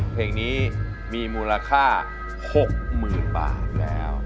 เพลงนี้มีมูลค่า๖หมื่นบาท